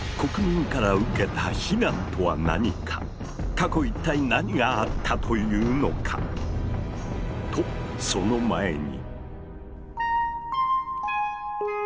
過去一体何があったというのか⁉とその前に。